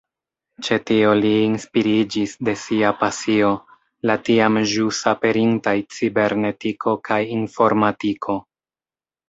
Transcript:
Ĉe tio li inspiriĝis de sia pasio, la tiam ĵus aperintaj cibernetiko kaj informatiko.